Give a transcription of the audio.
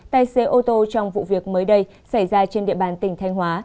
tay xe ô tô trong vụ việc mới đây xảy ra trên địa bàn tỉnh thanh hóa